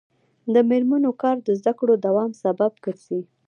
د میرمنو کار د زدکړو دوام سبب ګرځي.